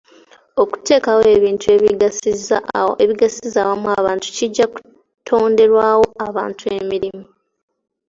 Okuteekawo ebintu ebigasiza awamu abantu kijja kutonderawo abantu emirimu.